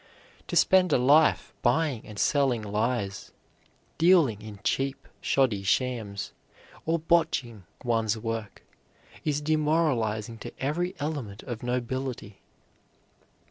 To spend a life buying and selling lies, dealing in cheap, shoddy shams, or botching one's work, is demoralizing to every element of nobility.